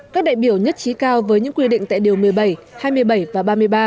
các đại biểu nhất trí cao với những quy định tại điều một mươi bảy hai mươi bảy và ba mươi ba